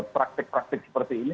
praktik praktik seperti ini